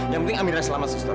yang penting aminah selamat suster